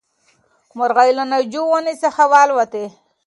مرغۍ له ناجو ونې څخه والوتې.